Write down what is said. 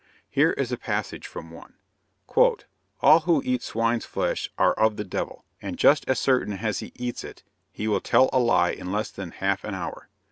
Here is a passage from one; "All who eat swine's flesh are of the devil; and just as certain as he eats it he will tell a lie in less than half an hour.